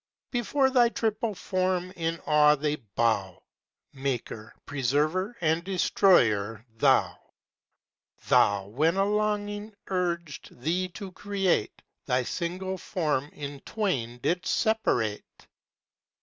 Before thy triple form in awe they bow: Maker, preserver, and destroyer, Thou! Thou, when a longing urged thee to create, Thy single form in twain didst separate.